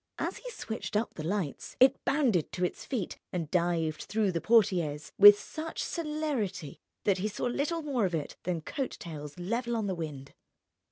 As he switched up the lights it bounded to its feet and dived through the portières with such celerity that he saw little more of it than coat tails level on the wind.